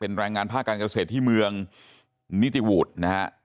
แรงงานภาคการเกษตรที่เมืองนิติวูดนะฮะ